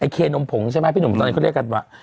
เคนมผงใช่ไหมพี่หนุ่มตอนนี้เขาเรียกกันว่า